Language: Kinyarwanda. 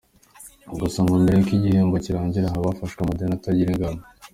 Gusa ngo mbere y’uko igihembwe kirangira haba hafashwe amadeni atagira ingano.